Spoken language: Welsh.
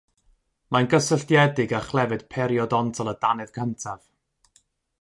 Mae'n gysylltiedig â chlefyd periodontol y dannedd cyntaf.